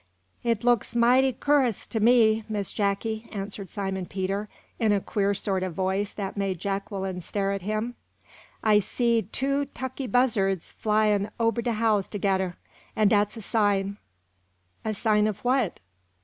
"Hit looks mighty cu'rus to me, Miss Jacky," answered Simon Peter, in a queer sort of a voice that made Jacqueline stare at him. "I seed two tuckey buzzards flyin' ober de house tog'er'r and dat's a sign " "A sign of what?"